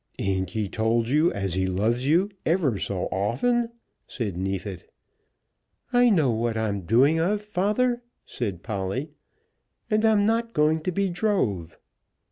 "Ain't he told you as he loves you ever so often?" said Neefit. "I know what I'm doing of, father," said Polly, "and I'm not going to be drove."